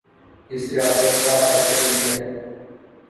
اس ریاست کا ہر شہری ہے